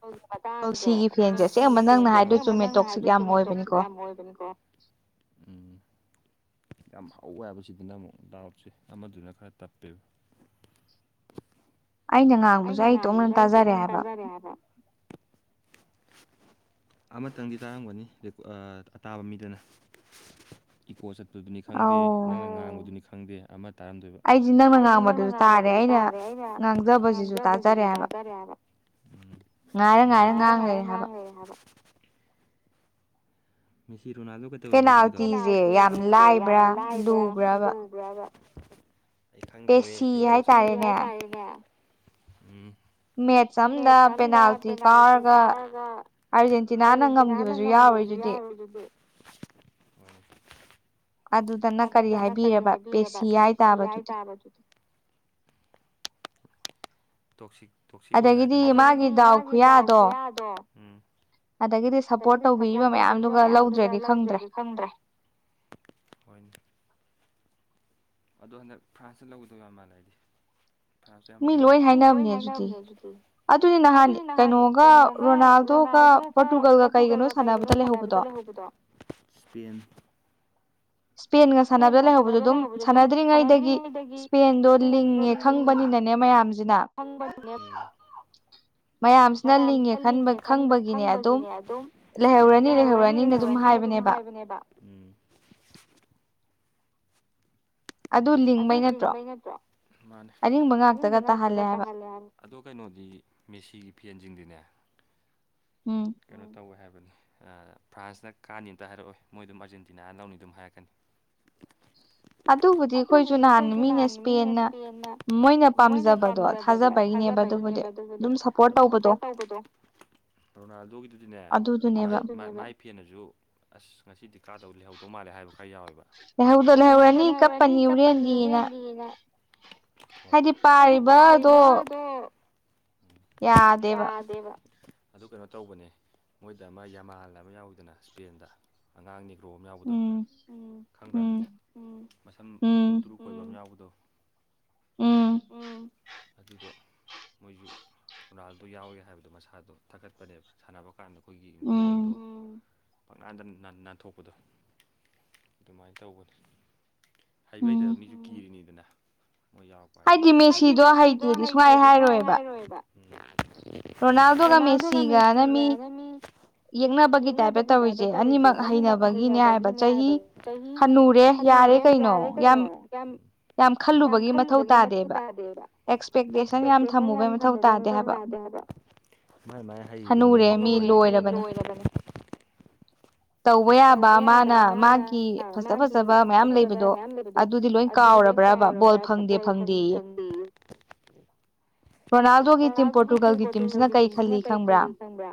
[inaudible] ꯑ ꯁꯤꯒꯤ ꯐꯦꯟꯁꯦ ꯑꯁꯦꯡꯕ ꯅꯪꯅ ꯍꯥꯏꯗꯣ ꯆꯨꯝꯃꯦ ꯇꯣꯛꯁꯤꯛ ꯌꯥꯝ ꯑꯣꯏꯕꯅꯤꯀꯣ [unintelligible] ꯎꯝ ꯌꯥꯝ ꯍꯧꯋꯦ ꯍꯥꯏꯕ ꯁꯤꯗꯤ ꯅꯪ ꯗꯥꯎꯠꯁꯦ ꯑꯃꯗꯨꯅ ꯈꯔ ꯇꯞꯄꯦꯕ ꯑꯩꯅ ꯉꯥꯡꯕꯁꯨ ꯑꯩ ꯇꯣꯝꯅ ꯇꯥꯖꯔꯦ ꯍꯥꯏꯕ ꯑꯕ ꯑꯃꯇꯪꯗꯤ ꯇꯥꯔꯝꯒꯅꯤ ꯔꯦꯀꯣ ꯑꯥ ꯑꯇꯥꯕ ꯃꯤꯗꯨꯅ ꯏꯀꯣ ꯆꯠꯄꯗꯨꯅꯤ ꯈꯪꯗꯦ [unintelligible] ꯅꯪꯅ ꯉꯥꯡꯕꯗꯨꯅꯤ ꯈꯪꯗꯦ ꯑꯃ ꯇꯔꯝꯗꯣꯏꯕ ꯑꯩꯖꯨ ꯅꯪꯅ ꯉꯥꯡꯕꯗꯨꯖꯨ ꯇꯥꯔꯦ ꯑꯩꯅ ꯉꯥꯡꯖꯕꯖꯤꯖꯨ ꯇꯥꯖꯔꯦ ꯍꯥꯏꯕ ꯉꯥꯏꯔ ꯉꯥꯏꯔ ꯉꯥꯡ ꯂꯩꯔꯦ ꯍꯥꯏꯕ ꯃꯦꯁꯤ ꯔꯣꯅꯥꯜꯗꯣ ꯀꯩꯗꯧꯌꯦꯕ ꯍꯧꯖꯤꯛꯀꯤꯗꯣ ꯄꯦꯅꯥꯜꯇꯤꯁꯦ ꯌꯥꯝ ꯂꯥꯏꯕ꯭ꯔꯥ ꯂꯨꯕ꯭ꯔꯥꯕ ꯑꯩ ꯈꯪꯗꯦꯃꯦ ꯑꯩ ꯕꯣꯜ ꯁꯥꯅ [unintelligible] ꯎꯝ ꯃꯦꯆ ꯑꯝꯗ ꯄꯅꯥꯜꯇꯤ ꯀꯥꯎꯔꯒ ꯑꯔꯖꯦꯟꯇꯤꯅꯥꯅ ꯉꯝꯒꯤꯕ ꯖꯨ ꯌꯥꯎꯔꯤꯗꯨꯗꯤ ꯎꯝ ꯑꯗꯨꯗꯅ ꯀꯔꯤ ꯍꯥꯏꯕꯤꯔꯕ ꯄꯦꯁꯤ ꯍꯥꯏ ꯇꯕꯗꯨꯗꯤ ꯇꯣꯛꯁꯤꯛ ꯇꯣꯛꯁꯤꯛ ꯑꯣꯏ ꯍꯥꯏꯗꯅ ꯑꯗꯒꯤꯗꯤ ꯃꯥꯒꯤ ꯗꯥꯎ ꯈꯨꯌꯥꯗꯣ ꯎꯝ ꯑꯗꯒꯤꯗꯤ ꯁꯞꯄꯣꯔꯠ ꯇꯧꯕꯤꯔꯤꯕ ꯃꯌꯥꯝꯗꯨꯒ ꯂꯧꯗ꯭ꯔꯦꯗꯤ ꯈꯪꯗ꯭ꯔꯦ ꯍꯣꯏꯅꯤ ꯑꯗꯣ ꯍꯟꯗꯛ ꯐ꯭ꯔꯥꯟꯁꯅ ꯂꯧꯒꯗꯧ ꯌꯥꯝ ꯃꯥꯜꯂꯦ ꯑꯩꯗꯤ ꯐ꯭ꯔꯥꯟꯁꯁꯨ ꯌꯥꯝ ꯂꯤꯡꯉꯦꯕ ꯃꯤ ꯂꯣꯏ ꯍꯥꯏꯅꯕꯅꯦ ꯑꯗꯨꯗꯤ ꯑꯗꯨꯗꯤ ꯅꯍꯥꯟ ꯀꯩꯅꯣꯒ ꯔꯣꯅꯥꯜꯗꯣꯒ ꯄꯣꯔꯇꯨꯒꯜꯒ ꯀꯩꯒꯅꯣ ꯁꯥꯟꯅꯕꯗ ꯂꯩꯍꯧꯕꯗꯣ ꯁ꯭ꯄꯦꯟ ꯏꯁꯄꯦꯟꯒ ꯁꯥꯟꯅꯕꯗ ꯂꯩꯍꯧꯕꯗꯣ ꯑꯗꯨꯝ ꯁꯥꯟꯅꯗ꯭ꯔꯤꯉꯩꯗꯒꯤ ꯏꯁꯄꯦꯟꯗꯣ ꯂꯤꯡꯉꯦ ꯈꯪꯕꯅꯤꯅꯅꯦ ꯃꯌꯥꯝꯁꯤꯅ ꯈꯪꯕ [inaudible] ꯃꯌꯥꯝꯖꯤꯅ ꯂꯤꯡꯉꯦ ꯈꯟꯕ ꯈꯪꯕꯒꯤꯅꯦ ꯑꯗꯨꯝ [unintelligible] ꯂꯩꯍꯧꯔꯅꯤ ꯂꯩꯍꯧꯔꯅꯤꯅ ꯑꯗꯨꯝ ꯍꯥꯏꯕꯅꯦꯕ ꯎꯝ ꯑꯗꯨ ꯅꯤꯡꯕꯩ ꯅꯠꯇ꯭ꯔꯣ ꯑꯅꯤꯡꯕ ꯉꯥꯛꯇꯒ ꯇꯥꯍꯜꯂꯦ ꯍꯥꯏꯅꯤ ꯑꯗꯣ ꯀꯩꯅꯣꯗꯤ ꯃꯦꯁꯤꯒꯤ ꯐꯦꯟꯁꯤꯡꯗꯤꯅꯦ ꯎꯝ ꯀꯩꯅꯣ ꯇꯧꯋꯦ ꯍꯥꯏꯕꯅꯤ ꯐ꯭ꯔꯥꯟꯁꯅ ꯀꯥꯅꯤ ꯑꯝꯇ ꯍꯥꯏꯔꯛꯑꯣꯏ ꯃꯣꯏꯗꯨꯝ ꯑꯥꯔꯖꯦꯟꯇꯤꯅꯥꯅ ꯂꯧꯅꯤ ꯑꯗꯨꯝ ꯍꯥꯏꯔꯛꯀꯅꯤ [unintelligible] ꯑꯗꯨꯕꯨꯗꯤ ꯑꯩꯈꯣꯏꯁꯨ ꯅꯍꯥꯟ ꯃꯤꯅ ꯏꯁꯄꯦꯟꯅ ꯃꯣꯏꯅ ꯄꯥꯝꯖꯕꯗꯣ ꯊꯥꯖꯕꯩꯅꯦꯕ ꯑꯗꯨꯕꯨꯗꯤ ꯑꯗꯨꯝ ꯁꯞꯄꯣꯠ ꯇꯧꯕꯗꯣ ꯔꯣꯅꯥꯟꯗꯣꯒꯤꯗꯨꯗꯤꯅꯦ ꯑꯗꯨꯗꯨꯅꯦꯕ ꯃꯥꯏ ꯃꯥꯏ ꯐꯦꯟꯅꯁꯨ ꯑꯁ ꯉꯁꯤꯗꯤ ꯀꯥꯗꯧ ꯂꯩꯍꯧꯗꯧ ꯃꯥꯜꯂꯦ ꯍꯥꯏꯕ ꯈꯔ ꯌꯥꯎꯋꯦꯕ ꯂꯩꯍꯧꯗ ꯂꯩꯍꯧꯔꯅꯤ ꯀꯞꯄꯅꯤ ꯍꯣꯔꯦꯟꯗꯤꯅ ꯍꯣꯏ ꯍꯥꯏꯗꯤ ꯄꯥꯔꯤꯕꯗꯣ ꯌꯥꯗꯦꯕ ꯑꯗꯨ ꯀꯩꯅꯣ ꯇꯧꯕꯅꯦ ꯃꯣꯏꯗ ꯑꯃ ꯌꯥꯃꯥꯜ ꯑꯃ ꯌꯥꯎꯋꯤꯗꯅ ꯁ꯭ꯄꯦꯟꯗ ꯑꯉꯥꯡꯅꯤ ꯒ꯭ꯔꯣ ꯑꯃ ꯌꯥꯎꯕꯗꯣ ꯎꯝ ꯈꯪꯕ꯭ꯔꯥ ꯃꯁꯝ ꯇꯨꯔꯨ ꯇꯨꯔꯨ ꯀꯣꯏꯕꯝ ꯌꯥꯎꯕꯗꯣ ꯎꯝ ꯎꯝ ꯑꯗꯨꯗꯣ ꯃꯣꯏꯁꯨ ꯀꯅꯥꯜꯗꯣ ꯌꯥꯎꯋꯦ ꯍꯥꯏꯕꯗꯣ ꯃꯁꯥꯗꯣ ꯊꯥꯒꯠꯄꯅꯦꯕ ꯁꯥꯟꯅꯕ ꯀꯥꯟꯗ ꯑꯩꯈꯣꯏꯒꯤ ꯕꯣꯜꯗꯣ ꯄꯪꯅꯥꯟꯗ ꯅꯥꯟꯊꯣꯛꯄꯗꯣ ꯑꯗꯨꯃꯥꯏꯅ ꯇꯒꯅꯤ ꯍꯩꯕ ꯍꯩꯇꯕ ꯃꯤꯁꯨ ꯀꯤꯔꯤꯅꯤꯗꯅ ꯃꯣꯏ ꯌꯥꯎꯔꯄ ꯍꯥꯏꯗꯤ ꯃꯦꯁꯤꯗꯣ ꯍꯩꯇ꯭ꯔꯦꯗꯤ ꯁꯨꯡꯍꯥꯏ ꯍꯥꯏꯔꯣꯏꯕ ꯔꯣꯅꯟꯘꯣꯒꯥ ꯃꯦꯁꯤꯒꯅ ꯃꯤ ꯌꯦꯛꯅꯕꯒꯤ ꯇꯥꯏꯞꯇ ꯇꯧꯔꯤꯁꯦ ꯑꯅꯤꯃꯛ ꯍꯩꯅꯕꯒꯤꯅꯦ ꯍꯥꯏꯕꯅꯦ ꯆꯍꯤ ꯍꯅꯨꯔꯦ ꯌꯥꯔꯦ ꯀꯩꯅꯣ ꯌꯥꯝ ꯌꯥꯝ ꯈꯜꯂꯨꯕꯒꯤ ꯃꯊꯧ ꯇꯥꯗꯦ ꯃꯊꯧ ꯇꯥꯗꯦꯕ ꯑꯦꯛꯁꯄꯦꯛꯇꯦꯁꯟ ꯌꯥꯝ ꯊꯝꯃꯨꯕꯒꯤ ꯃꯊꯧ ꯇꯥꯗꯦ ꯍꯥꯏꯕ ꯃꯥꯏ ꯃꯥꯏ ꯍꯩꯕꯑꯣ [unintelligible] ꯇꯧꯕ ꯌꯥꯕ ꯃꯥꯅ ꯃꯥꯒꯤ ꯐꯖ ꯐꯠꯇꯕ ꯃꯌꯥꯝ ꯂꯩꯕꯗꯣ ꯑꯗꯨ ꯑꯗꯨ ꯂꯣꯏ ꯀꯥꯎꯔꯕ꯭ꯔꯥ [unintelligible] [unintelligible] ꯀꯔꯤ ꯈꯜꯂꯤ ꯈꯪꯕ꯭ꯔ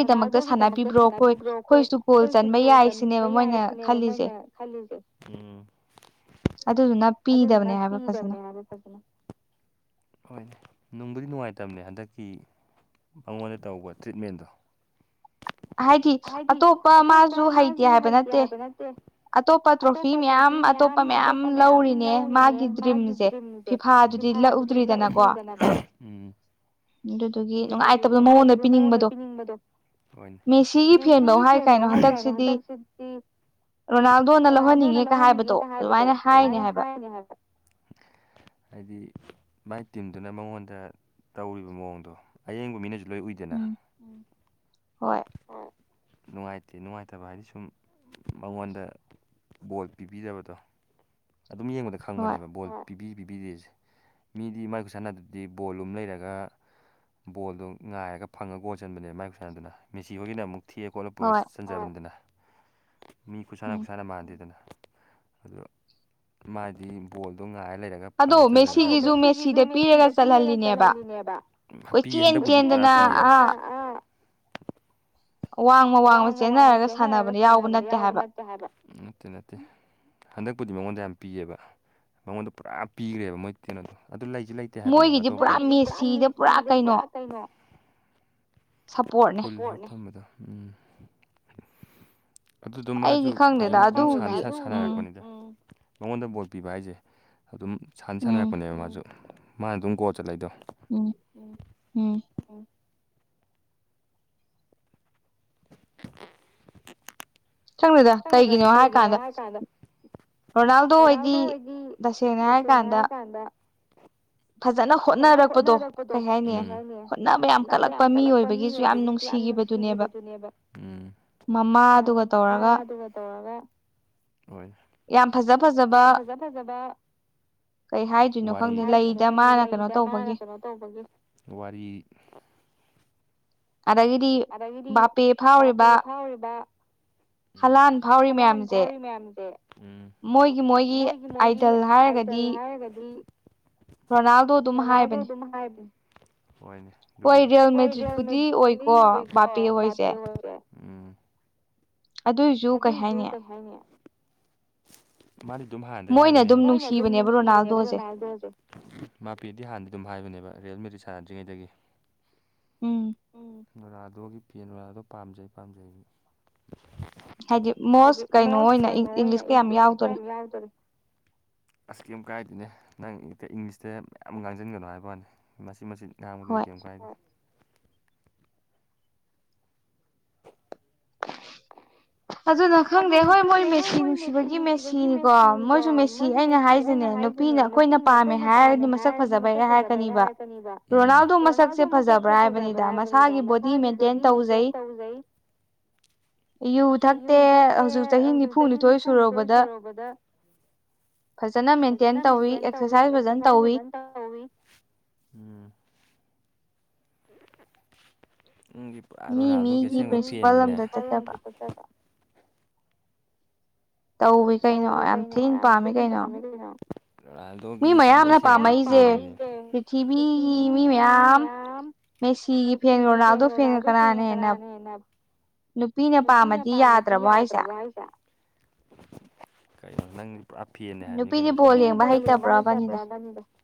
ꯔꯣꯅꯥꯜꯗꯨꯣꯒꯤꯗꯃꯛꯇ ꯁꯥꯟꯅꯕꯤꯕ꯭ꯔꯣ ꯑꯩꯈꯣꯏꯁꯨ ꯄꯣꯜ ꯆꯟꯕ ꯌꯥꯏ ꯁꯤꯅꯦꯕ ꯃꯣꯏꯅ ꯈꯜꯂꯤꯁꯦ ꯑꯗꯨꯗꯨꯅ ꯄꯤꯗꯕꯅꯦꯅ ꯑꯗꯨ ꯐꯛꯇꯅ ꯍꯣꯏꯅꯦ ꯅꯨꯡꯕꯨꯗꯤ ꯅꯨꯡꯉꯥꯏꯇꯕꯅꯦ ꯍꯟꯗꯛꯀꯤ ꯃꯉꯣꯟꯗ ꯇꯧꯕ ꯇ꯭ꯔꯤꯠꯃꯦꯟꯗꯣ ꯍꯥꯏꯗꯤ ꯑꯇꯣꯞꯄ ꯃꯥꯁꯨ ꯍꯩꯇꯦ ꯍꯥꯏꯕ ꯅꯠꯇꯦ ꯑꯇꯣꯞꯄ ꯇ꯭ꯔꯣꯐꯤ ꯃꯌꯥꯝ ꯑꯇꯣꯞꯄ ꯃꯌꯥꯝ ꯂꯧꯔꯤꯅꯦ ꯃꯥꯒꯤ ꯗ꯭ꯔꯤꯝꯁꯦꯐꯥ ꯂꯧꯘ꯭ꯔꯤꯗꯅ ꯑꯗꯨꯗꯨꯒꯤ ꯅꯨꯡꯉꯥꯏꯇꯕꯒꯤ ꯃꯉꯣꯟꯗ ꯄꯤꯅꯤꯡꯕꯗꯣ ꯁꯤꯒꯤ ꯐꯦꯟꯗꯣ ꯍꯥꯏ ꯀꯗꯣ ꯍꯟꯗꯛꯁꯤꯗꯤ ꯔꯣꯅꯥꯜꯗꯣꯅ ꯂꯧꯍꯟꯅꯤꯡꯉꯦꯒ ꯍꯥꯏꯕꯗꯣ ꯑꯗꯨꯃꯥꯏꯅ ꯍꯥꯏꯔꯅꯤ ꯍꯥꯏꯕ ꯍꯥꯏꯗꯤ ꯃꯥꯏ ꯇꯤꯝꯗꯨꯅ ꯃꯉꯣꯟꯗ ꯇꯧꯔꯤꯕ ꯃꯑꯣꯡꯗꯣ ꯑꯌꯦꯡꯕ ꯃꯤꯅꯁꯨ ꯂꯣꯏ ꯎꯏꯗꯅ ꯅꯨꯡꯉꯥꯏꯇꯦ ꯅꯨꯡꯉꯥꯏꯇꯕ ꯍꯥꯏꯗꯤ ꯁꯨꯝ ꯃꯉꯣꯟꯗ ꯕꯣꯜ ꯄꯤꯕꯤꯗꯕꯗꯣ ꯑꯗꯨꯝ ꯌꯦꯡꯕꯗ ꯈꯪꯕꯅꯦꯕ ꯕꯣꯜ ꯄꯤꯕꯤ ꯄꯤꯕꯤꯗꯦꯁꯦ ꯃꯤꯗꯤ ꯃꯥꯏ ꯁꯥꯟꯅꯗꯗꯤ ꯕꯣꯜ ꯑꯃ ꯂꯩꯔꯒ ꯕꯣꯜꯗꯣ ꯉꯥꯏꯔꯒ ꯐꯪꯉꯒꯣꯜꯁꯤꯟꯕꯅꯦꯕ ꯃꯥꯏ ꯈꯨꯁꯥꯟꯗꯨꯅ ꯃꯦꯁꯤꯕꯣꯏꯒꯤꯅ ꯑꯃꯨꯛ ꯊꯤꯑ ꯈꯣꯠꯂ ꯄꯨꯔ ꯆꯟꯖꯔꯝꯗꯅ ꯃꯤ ꯈꯨꯠꯁꯥꯅ ꯈꯨꯠꯁꯥꯅ ꯃꯥꯟꯅꯗꯦꯗꯅ ꯑꯗꯨ ꯃꯥꯗꯤ ꯕꯣꯜꯗꯣ ꯉꯥꯏꯔ ꯂꯩꯔꯒ [unintelligible] ꯃꯦꯁꯤꯒꯤꯁꯨ ꯃꯦꯁꯤꯗ ꯄꯤꯔꯒ ꯆꯠꯍꯜꯂꯤꯅꯦꯕ [unintelligible] [unintelligible] ꯋꯥꯡꯃ ꯋꯥꯡꯃ ꯆꯦꯟꯅꯔꯒ ꯁꯥꯟꯅꯕꯅ ꯌꯥꯎꯕ ꯅꯠꯇꯦ ꯍꯥꯏꯕ ꯅꯠꯇꯦ ꯅꯠꯇꯦ ꯍꯟꯗꯛꯄꯨꯗꯤ ꯃꯉꯣꯟꯗ ꯌꯥꯝ ꯄꯤꯌꯦꯕ ꯃꯉꯣꯟꯗ ꯄꯨꯔꯥ ꯄꯤꯈ꯭ꯔꯦꯕ ꯃꯣꯏ ꯀꯩꯅꯣꯗꯣ ꯑꯗꯨ ꯂꯩꯁꯨ ꯂꯩꯇ [unintelligible] ꯃꯣꯏꯒꯤꯗꯤ ꯄꯨꯔꯥ ꯃꯦꯁꯤꯗ ꯄꯨꯔꯥ ꯀꯩꯅꯣ [unintelligible] ꯑꯗꯨꯗꯣ ꯃꯥꯁꯨ ꯐꯖꯅ ꯑꯗꯨꯝ ꯁꯥꯟꯅꯅ ꯁꯥꯟꯅꯔꯛꯄꯅꯤꯗ ꯃꯉꯣꯟꯗ ꯕꯣꯠ ꯄꯤꯕ ꯍꯥꯏꯁꯦ ꯑꯗꯨꯝ ꯁꯥꯟꯅ ꯁꯥꯟꯅꯔꯛꯄꯅꯦꯕ ꯃꯥꯁꯨ ꯃꯥꯅ ꯑꯗꯨꯝ ꯒꯣ ꯆꯠꯂꯗꯣ ꯎꯝ ꯎꯝ [unintelligible] ꯀꯩꯒꯤꯅꯣ ꯍꯥꯏꯀꯥꯟꯗ ꯔꯣꯅꯥꯜꯗꯣ ꯍꫭꯏꯗꯤ ꯇꯁꯦꯡꯅ ꯍꯥꯏꯔꯀꯥꯟꯗ ꯐꯖꯅ ꯍꯣꯠꯅꯔꯛꯄꯗꯣ ꯀꯥꯏꯅꯦ ꯍꯣꯠꯅꯕ ꯌꯥꯝ ꯀꯠꯂꯛꯄ ꯃꯤ ꯑꯣꯏꯗꯒꯤꯁꯨ ꯌꯥꯝ ꯅꯨꯡꯁꯤ ꯁꯤꯈꯤꯕꯗꯨꯅꯦꯕ ꯃꯃꯥꯗꯨꯒ ꯇꯧꯔꯒ ꯍꯣꯏ ꯌꯥꯝ ꯐꯖ ꯐꯖꯕ ꯋꯥꯔꯤ ꯀꯔꯤ ꯍꯥꯏꯗꯣꯏꯅꯣ ꯈꯪꯗꯦ ꯂꯩꯗ ꯃꯥꯅ ꯀꯩꯅꯣ ꯇꯧꯕꯒꯤ ꯋꯥꯔꯤ ꯑꯗꯒꯤ ꯑꯗꯒꯤꯗꯤ ꯕꯥꯄꯦ ꯐꯥꯎꯔꯤꯕ ꯎꯝ ꯍꯂꯥꯟ ꯐꯥꯎꯔꯤ ꯃꯌꯥꯝꯁꯦ ꯃꯣꯏꯒꯤ ꯃꯣꯏꯒꯤ [unintelligible] [unintelligible] ꯍꯥꯏꯔꯒꯗꯤ [unintelligible] ꯑꯗꯨꯝ ꯍꯥꯏꯕꯅꯦ ꯑꯗꯨꯕꯨꯗꯤ [unintelligible] ꯑꯣꯏꯀꯣ ꯕꯥꯄꯦ ꯍꯣꯏꯁꯦ ꯑꯗꯨꯏꯁꯨ ꯀꯩ ꯍꯥꯏꯅꯤ ꯍꯥꯏꯅꯦ ꯃꯥꯗꯤ ꯑꯗꯨꯝ ꯍꯥꯟꯗꯩ ꯍꯥꯏꯕꯅꯦ ꯃꯣꯏꯅ ꯑꯗꯨꯝ ꯅꯨꯡꯁꯤꯕꯅꯦꯕ ꯔꯣꯅꯥꯜꯗꯣꯁꯦ ꯃꯥꯄꯦꯗꯤ ꯍꯥꯟꯅꯗꯤ ꯑꯗꯨꯝ ꯍꯥꯏꯕꯅꯦꯕ ꯔꯤꯌꯦꯜꯃꯦꯗꯤ ꯁꯥꯟꯅꯗ꯭ꯔꯤꯉꯩꯗꯒꯤ ꯔꯣꯅꯥꯜꯗꯣꯒꯤ ꯄꯦꯟ ꯔꯣꯅꯥꯛꯗꯣ ꯄꯥꯝꯖꯩ ꯄꯥꯝꯖꯩꯅ ꯍꯥꯏꯗꯤ ꯃꯣꯁ ꯀꯩꯅꯣ ꯑꯣꯏꯅ ꯏꯪꯂꯤꯁꯀꯥ ꯌꯥꯝ ꯌꯥꯎꯗꯧꯔꯦ ꯑꯁ ꯀꯩꯝ ꯀꯥꯏꯗꯣꯏꯅꯦ ꯅꯪ ꯏꯪꯂꯤꯁꯇ ꯃꯌꯥꯝ ꯉꯥꯡꯁꯤꯟꯒꯅꯣ ꯍꯥꯏꯕ ꯋꯥꯅꯤ ꯃꯁꯤ ꯃꯁꯤ ꯉꯥꯡꯕꯗꯨꯗꯤ ꯀꯩꯝ ꯀꯥꯏꯗꯦ [unintelligible] ꯑꯗꯨꯅ ꯈꯪꯗꯦ ꯍꯣꯏ ꯃꯣꯏ ꯃꯁꯤ ꯅꯨꯡꯁꯤꯕꯒꯤ ꯃꯦꯁꯤꯅꯤꯀꯣ ꯃꯣꯏꯁꯨ ꯃꯦꯁꯤ ꯑꯩꯅ ꯍꯥꯏꯁꯤꯅꯦ ꯅꯨꯄꯤꯅ ꯑꯩꯈꯣꯏꯅ ꯄꯥꯝꯃꯦ ꯍꯥꯏꯔꯒꯗꯤ ꯃꯁꯛ ꯐꯖꯕꯩ ꯍꯥꯏꯔꯛꯅꯤꯕ ꯔꯣꯅꯥꯜꯗꯣ ꯃꯁꯛꯁꯦ ꯐꯖꯕ ꯭ꯕꯔ ꯍꯥꯏꯕꯅꯤꯗ ꯃꯁꯥꯒꯤ ꯕꯣꯗꯤ ꯃꯦꯟꯇꯦꯟ ꯇꯧꯖꯩ ꯌꯨ ꯊꯛꯇꯦ ꯍꯧꯖꯤꯛ ꯆꯍꯤ ꯅꯤꯐꯨꯅꯤꯊꯣꯏ ꯁꯨꯨꯔꯕꯗ ꯐꯖꯅ ꯃꯦꯟꯇꯦꯟ ꯇꯧꯋꯤ ꯑꯦꯛꯁꯔꯁꯥꯏꯁ ꯐꯖꯅ ꯇꯧꯋꯤ ꯎꯝ ꯅꯪꯗꯤ ꯄꯨꯔꯥ ꯔꯣꯅꯥꯜꯗꯣꯒꯤ ꯑꯁꯦꯡꯕ [unintelligible] ꯇꯧꯋꯦ ꯀꯩꯅꯣ ꯌꯥꯝ ꯊꯤꯅ ꯇꯧꯋꯦ ꯀꯩꯅꯣ ꯔꯣꯅꯥꯜꯗꯣꯒꯤ [unintelligible] ꯄ꯭ꯔꯤꯊꯤꯕꯤ ꯃꯤ ꯃꯌꯥꯝ ꯑꯦꯁꯤ ꯐꯦꯟ ꯔꯣꯅꯥꯜꯗꯣ ꯐꯦꯟ ꯀꯅꯥꯅ ꯍꯦꯟꯅ ꯅꯨꯄꯤꯅ ꯄꯥꯝꯃꯗꯤ ꯌꯥꯗ꯭ꯔꯕꯣ ꯍꯥꯏꯁꯦ ꯀꯩꯅꯣ ꯅꯪ ꯄꯨꯔꯥ ꯐꯦꯟꯅꯦ ꯍꯥꯏꯕꯅꯤ ꯀꯩꯅꯣ [unintelligible]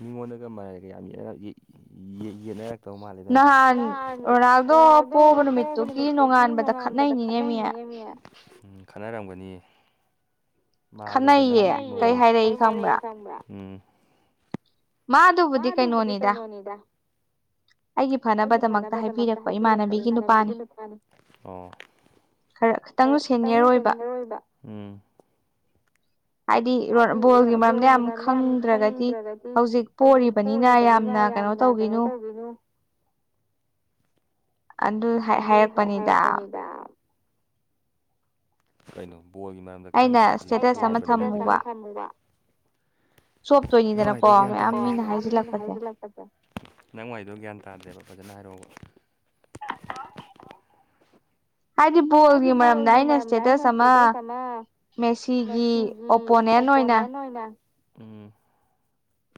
ꯃꯤꯉꯣꯟꯗꯒ ꯃꯔꯩꯒ ꯌꯥꯝ ꯌꯦꯅꯔꯛ ꯌꯦꯠ--ꯅꯔꯛ ꯇꯧ ꯃꯥꯟꯂꯦ ꯅꯪꯗꯤ ꯅꯍꯥꯟ ꯑꯣꯔꯥꯛꯗꯣ ꯄꯣꯕ ꯅꯨꯃꯤꯠꯇꯨꯒꯤ ꯅꯣꯡꯉꯥꯟꯕꯗ ꯈꯠꯅꯩꯅꯤꯅꯦ ꯃꯤ ꯎꯝ ꯈꯠꯅꯔꯝꯒꯅꯤꯌꯦ ꯃꯥꯂꯦꯕ [unintelligible] ꯀꯩ ꯍꯥꯏꯔꯛꯏ ꯈꯪꯕ꯭ꯔꯥ ꯎꯝ ꯃꯥꯗꯨꯕꯨꯗꯤ ꯀꯩꯅꯣꯅꯤꯗ ꯅꯤꯗ ꯑꯩꯒꯤ ꯐꯅꯕꯗꯃꯛꯇ ꯍꯥꯏꯕꯤꯔꯛꯄ ꯏꯃꯥꯟꯅꯕꯤꯒꯤ ꯅꯨꯄꯥꯅꯤ ꯈꯔꯇꯪ ꯁꯟꯉꯔꯣꯏꯕ ꯍꯥꯏꯗꯤ ꯕꯣꯜꯒꯤ ꯃꯔꯝꯅ ꯌꯥꯝ ꯈꯪꯗ꯭ꯔꯒꯗꯤ ꯍꯧꯖꯤꯛ ꯀꯣꯔꯤꯕꯅꯤꯅ ꯌꯥꯝꯅ ꯀꯩꯅꯣ ꯇꯧꯕꯤꯅꯨ ꯑꯗꯨ ꯍꯥꯏꯔꯛꯄꯅꯤꯗ ꯀꯩꯅꯣ ꯕꯣꯜꯒꯤ ꯃꯔꯝꯗ ꯈꯪꯗ꯭ꯔꯒꯗꯤ ꯦ ꯍꯥꯏꯜꯒꯤ ꯂꯥꯛꯄ ꯇ ꯅꯪ ꯋꯥꯏꯗꯣ ꯒ꯭ꯌꯥꯟ ꯇꯥꯗꯦꯕ ꯐꯖꯅ ꯍꯥꯏꯔꯛꯕ ꯑꯗꯤꯕꯨꯗꯤ ꯃꯝ ꯅꯏꯩꯅꯁꯦꯗ ꯁꯃ ꯃꯦꯁꯤꯒꯤ ꯑꯣꯄꯣꯅꯦꯜ ꯑꯣꯏꯅ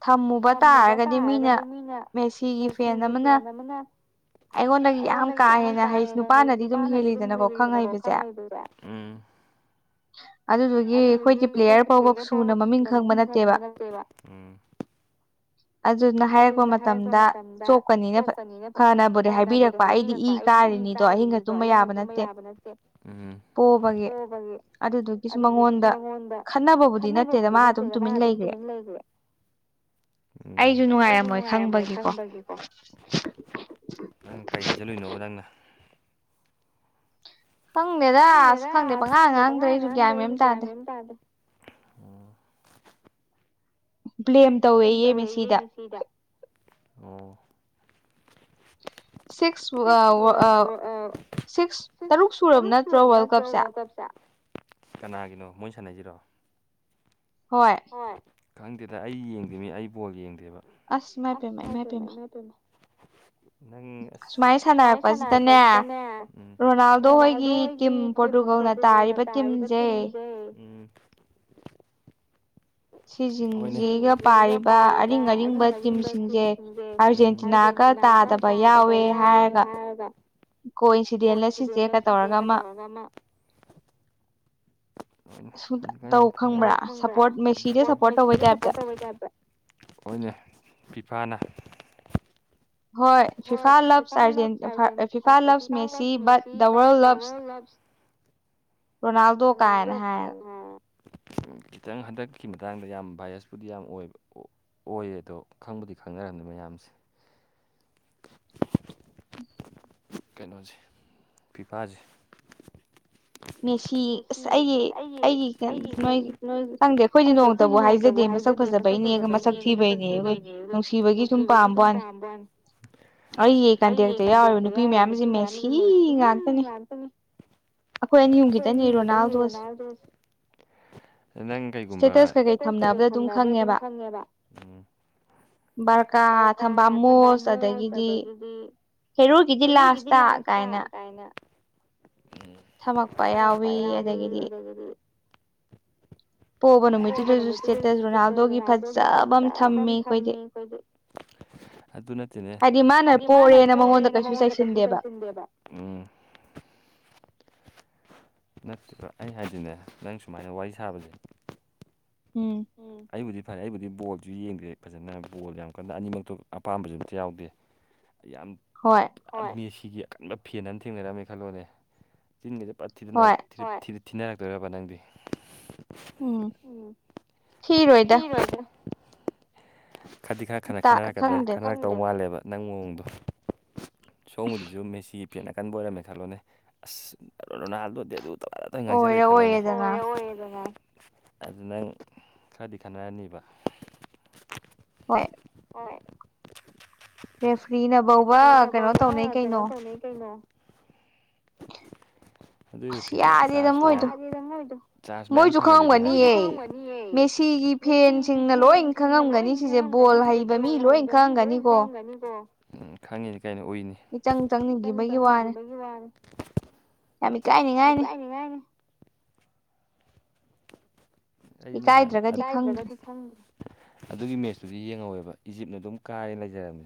ꯊꯝꯃꯨꯕ ꯇꯥꯔꯒꯗꯤ ꯃꯤꯅ ꯃꯦꯁꯤꯒꯤ ꯐꯦꯟ ꯑꯃꯅ ꯃꯅ ꯑꯩꯉꯣꯟꯗꯒꯤ ꯌꯥꯝ ꯀꯥ ꯍꯦꯟꯅ ꯍꯩꯁ ꯅꯨꯄꯥꯅꯗꯤ ꯑꯗꯨꯝ ꯍꯦꯜꯂꯤꯗꯅꯀꯣ ꯈꯪ ꯍꯩꯕꯁꯦ [inaudible] ꯑꯗꯨꯗꯨꯒꯤ ꯑꯩꯈꯣꯏꯒꯤ ꯄ꯭ꯂꯦꯌꯔ ꯐꯥꯎꯕ ꯁꯨꯅ ꯃꯃꯤꯡ ꯈꯪꯕ ꯅꯠꯇꯦꯕ ꯑꯗꯨꯗꯨꯅ ꯍꯥꯏꯔꯛꯄ ꯃꯇꯝꯗ ꯆꯣꯛꯀꯅꯤꯅ ꯐꯅꯕꯨꯗꯤ ꯍꯥꯏꯕꯤꯔꯛꯄ ꯑꯩꯗꯤ ꯏ ꯀꯥꯔꯤꯅꯤꯗꯣ ꯑꯍꯤꯡꯒ ꯇꯨꯝꯕ ꯌꯥꯕ ꯅꯠꯇꯦ ꯑꯣꯕ ꯑꯗꯨꯗꯨꯒꯤꯁꯨ ꯃꯉꯣꯟꯗ ꯈꯟꯅꯕꯕꯨꯗꯤ ꯅꯠꯇꯦꯗ ꯃꯥ ꯑꯗꯨꯝ ꯇꯨꯃꯤꯡ ꯂꯩꯈ꯭ꯔꯦ ꯑꯩ ꯑꯩꯁꯨ ꯅꯨꯡꯉꯥꯏꯔꯝꯃꯣꯏ ꯆꯪꯕꯒꯤꯀꯣ ꯅꯪ ꯀꯩ ꯍꯥꯏꯖꯂꯨꯏꯅꯣꯕ ꯅꯪꯅ ꯈꯪꯗꯦꯗ ꯑꯁ ꯈꯪꯗꯦ ꯄꯪꯉꯥ ꯉꯥꯡꯗ꯭ꯔꯦ ꯑꯩꯁꯨ ꯒꯌꯥ ꯃ ꯇꯥꯗꯦ ꯀꯝ ꯇꯧꯋꯦ ꯌꯦꯡꯃꯤ ꯁꯤꯗ ꯑꯣ ꯁꯤꯛꯁ ꯁꯤꯛꯁ ꯇꯔꯨꯛ ꯁꯨꯔꯕ ꯅꯠꯇ꯭ꯔꯣ ꯋꯥꯔꯜ ꯀꯞꯁꯦ ꯀꯅꯥꯒꯤꯅꯣ ꯃꯣꯏ ꯁꯥꯟꯅꯁꯤꯔꯣ ꯍꯣꯏ ꯈꯪꯗꯦꯗ ꯑꯩ ꯌꯦꯡꯗꯦꯅꯤ ꯑꯩ ꯕꯣꯜ ꯌꯦꯡꯗꯦꯕ ꯑꯁ [unintelligible] ꯅꯪ ꯑꯁ ꯁꯨꯃꯥꯏꯅ ꯁꯥꯟꯅꯔꯛꯄꯁꯤꯗꯅꯦꯗꯣ ꯍꯣꯏꯒꯤ ꯤꯝ ꯀꯣꯗꯨꯣꯛꯒꯅ ꯇꯔꯤꯕ ꯆꯤꯝꯖꯦ ꯁꯤꯁꯤꯡꯁꯤꯒ ꯄꯥꯔꯤꯕ ꯑꯔꯤꯡ ꯑꯔꯤꯡꯕ ꯇꯤꯝꯁꯤꯡꯁꯦ ꯑꯥꯔꯖꯦꯟꯇꯤꯅꯥꯒ ꯇꯥꯗꯕ ꯌꯥꯎꯋꯦ ꯍꯥꯏꯔꯒ ꯀꯣ ꯏꯟꯁꯤꯗꯦꯂ ꯁꯤꯁꯦꯀ ꯇꯧꯔꯒ ꯑꯃ ꯕꯄ ꯇꯕ ꯑꯣꯏꯅ ꯄꯥꯅ ꯍꯣꯏ ꯐꯤꯐꯥ ꯂꯞ ꯐꯤꯐꯥ ꯂꯞꯁ ꯃꯦꯁꯤ ꯕꯠ ꯗꯋꯔ ꯂꯞꯁ ꯐ ꯈꯤꯇꯪ ꯍꯟꯗꯛꯀꯤ ꯃꯇꯥꯡꯗ ꯌꯥꯝ ꯚꯥꯏꯔꯁꯄꯨꯗꯤ ꯌꯥꯝ ꯑꯣꯏꯕ ꯑꯣꯏꯌꯦ ꯑꯗꯣ ꯈꯪꯕꯨꯗꯤ ꯈꯪꯅꯔꯝꯃꯤ ꯃꯌꯥꯝꯁꯦ ꯀꯩꯅꯣꯁꯦ ꯄꯤꯄꯥꯁꯦ [unintelligible] ꯁꯤ ꯑꯁ ꯑꯩꯒꯤ ꯑꯩꯒꯤ ꯈꯪꯗꯦ ꯑꯩꯈꯣꯏꯗꯤ ꯅ ꯇꯕꯨ ꯍꯥꯏꯖꯗꯦ ꯃꯁꯛ ꯐꯖꯕꯩꯅꯦ ꯃꯁꯛ ꯁꯤꯕꯩꯅꯦ ꯑꯗꯨ ꯅꯨꯡꯁꯤꯕꯒꯤ ꯁꯨꯝ ꯄꯥꯝꯕ ꯋꯥꯅꯤ ꯑꯏꯌꯦ ꯀꯗꯗ ꯌꯥꯅ ꯐ ꯃꯅ ꯆꯃꯦ ꯁꯤ ꯉ ꯑꯩꯣꯏꯇꯅꯤꯗꯅꯗꯁꯤ ꯅꯪ ꯀꯩꯒꯨꯝꯕ ꯑꯗꯨꯝ ꯈꯪꯉꯦꯕ ꯎ ꯔꯀꯥ ꯝꯨ ꯑꯗ ꯀꯦꯖꯤ ꯍꯦꯔꯨꯒꯤꯗꯤ ꯂꯥꯁ ꯇ ꯀꯥꯏꯅ ꯊꯝꯃꯛꯄ ꯌꯥꯎꯋꯤ ꯑꯗꯒꯤꯗꯤ ꯑꯗꯨ [unintelligible] ꯍꯣꯕ ꯅ ꯅꯨꯃꯤ ꯅꯥꯟ ꯑꯗꯨꯒꯤ ꯐꯖꯕ ꯊꯝꯃꯤ ꯀꯣꯏ ꯑꯗꯨ ꯅꯠꯇꯦꯅꯦ ꯍꯥꯏꯗꯤ ꯃꯥꯅ ꯄꯣꯔꯦꯅ ꯃꯉꯣꯟꯗ ꯀꯩꯁꯨ ꯕ ꯎꯝ ꯅꯠꯇꯕ꯭ꯔꯥ ꯑꯩ ꯍꯥꯏꯗꯤꯅꯦ ꯅꯪ ꯁꯨꯃꯥꯏꯅ ꯋꯥꯔꯤ ꯁꯥꯕꯁꯦ ꯎꯝ ꯑꯩꯕꯨꯗꯤ ꯐꯔꯦ ꯑꯩꯕꯨꯗꯤ ꯕꯣꯜꯁꯨ ꯌꯦꯡꯗꯦ ꯐꯖꯅ ꯕꯣꯜ ꯌꯥꯝ ꯀꯟꯅ ꯑꯅꯤꯃꯛꯇꯣ ꯑꯄꯥꯝꯕꯁꯨ ꯑꯝꯇ ꯌꯥꯎꯗꯦ ꯌꯥꯝ ꯍꯣꯏ ꯁꯤꯒꯤ ꯑꯀꯟꯕ ꯐꯦꯟꯅ ꯊꯦꯡꯅꯔꯝꯃꯦ ꯈꯜꯂꯣꯅꯦ ꯆꯤꯟꯒꯁꯦ ꯄꯠꯊꯤꯗꯅ ꯊꯤꯅꯔꯛꯇꯣꯏꯔꯕ ꯅꯪꯗꯤ ꯈꯗꯤ ꯈꯔ ꯈ ꯈꯟꯅꯔꯛꯀ ꯈ ꯇꯧ ꯃꯥꯜꯂꯦꯕ ꯅꯪ ꯃꯑꯣꯡꯗꯣ ꯁꯣꯕꯗꯨꯁꯨ ꯃꯦꯁꯤ ꯐꯦꯟ ꯅꯥꯀꯟꯕ ꯑꯣꯏꯔꯝꯃꯦ ꯈꯜꯂꯣꯅꯦ ꯑꯁ ꯅꯣ ꯅꯅꯥꯜꯗꯣꯗꯤ ꯑꯗꯨ ꯇꯅꯇ ꯉꯥꯡꯁꯤꯜꯂꯦ ꯈꯜꯂꯣꯅꯦ ꯑꯗꯨ ꯅꯪ ꯈꯔꯗꯤ ꯈꯟꯅꯔꯅꯤꯕ ꯐ ꯐꯅꯕꯧ ꯉ ꯀꯅ ꯇꯧꯅ ꯀꯩꯅꯩꯅꯣ ꯑꯗꯨ ꯐꯤꯗꯣ ꯆꯥꯔ ꯆꯥꯔꯖ ꯃꯌꯥꯝ ꯊꯥꯡꯒꯠꯂꯗꯤ ꯍꯥꯏ ꯃꯦꯁꯤꯒꯤ ꯐꯦꯟꯁꯤꯡꯅ ꯂꯣꯏ ꯈꯪꯉꯝꯒꯅꯤ ꯁꯤꯁꯦ ꯕꯣꯜ ꯍꯩꯕ ꯃꯤ ꯂꯣꯏ ꯈꯪꯉꯒ ꯎꯝ ꯈꯪꯉꯤꯅꯤ ꯀꯥꯏꯅꯣ ꯎꯏꯅꯤ ꯏꯇꯪ ꯆꯪꯈꯤꯕꯒꯤ ꯋꯥꯅꯤ ꯀꯥꯏꯅꯤ ꯉꯥꯏꯅꯤ ꯑꯩ ꯅꯍꯥꯟ꯭ꯔꯗꯤ ꯑꯗꯨꯒꯤ ꯃꯦꯠꯁꯇꯨꯗꯤ ꯌꯦꯡꯍꯧꯋꯦꯕ ꯏꯖꯤꯞꯅ ꯑꯗꯨꯝ ꯀꯥꯏꯦ ꯂꯩꯖꯔꯝꯃꯦ